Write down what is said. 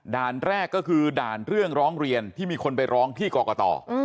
ด่านแรกก็คือด่านเรื่องร้องเรียนที่มีคนไปร้องที่กรกต